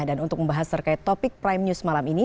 dan untuk membahas terkait topik prime news malam ini